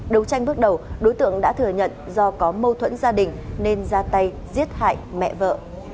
đấu tranh bước đầu đối tượng đã thừa nhận do có mâu thuẫn gia đình nên ra tay giết hại mẹ vợ